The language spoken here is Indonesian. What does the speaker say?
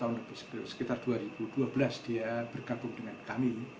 sekitar dua ribu dua belas dia bergabung dengan kami